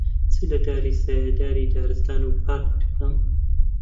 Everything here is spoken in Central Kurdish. چ لە داری سایەداری دارستان و پارکت بکەم،